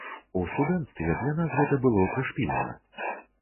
У студэнцтве для нас гэта было прышпільна.